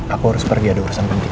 aku harus pergi ada urusan penting